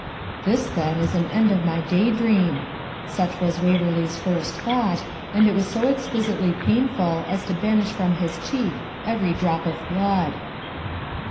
'This, then, is an end of my day dream!' Such was Waverley's first thought, and it was so exquisitely painful as to banish from his cheek every drop of blood.